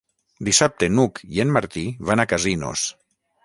Dissabte n'Hug i en Martí van a Casinos.